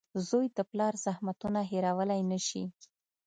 • زوی د پلار زحمتونه هېرولی نه شي.